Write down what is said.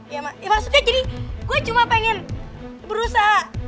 ya maksudnya jadi gue cuma pengen berusaha